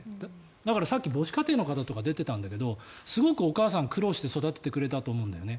だから、さっき母子家庭の方とか出ていたんだけどすごくお母さん苦労して育ててくれたんだと思うんだよね。